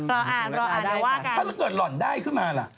รออ่านก็ว่ากลัวน่าละถ้าเกิดหล่อนได้ขึ้นมาล่ะ